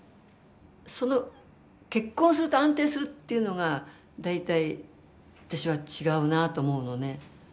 その結婚すると安定するっていうのが大体私は違うなと思うのね。